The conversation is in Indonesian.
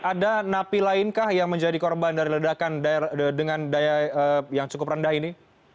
ada napi lain kah yang menjadi korban dari ledakan dengan daya yang cukup rendah ini